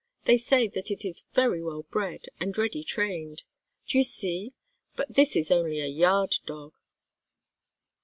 They say that it is very well bred, and ready trained. Do you see? But this is only a yard dog."